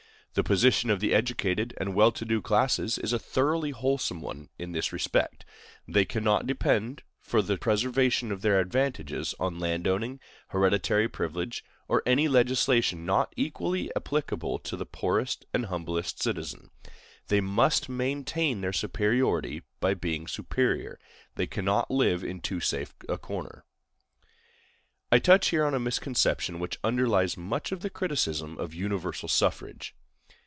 The position of the educated and well to do classes is a thoroughly wholesome one in this respect: they cannot depend for the preservation of their advantages on land owning, hereditary privilege, or any legislation not equally applicable to the poorest and humblest citizen. They must maintain their superiority by being superior. They cannot live in a too safe corner.I touch here on a misconception which underlies much of the criticism of universal suffrage.